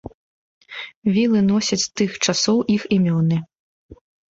Вілы носяць з тых часоў іх імёны.